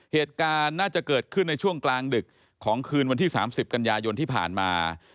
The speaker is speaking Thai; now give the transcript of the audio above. เหตุการณ์น่าจะเกิดขึ้นในช่วงกลางดึกของคืนวันที่๓๐กันยายนที่ผ่านมา